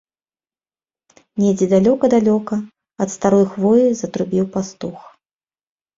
Недзе далёка-далёка, ад старой хвоі, затрубіў пастух.